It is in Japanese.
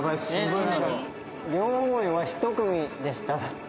「両思いは１組でした」だって。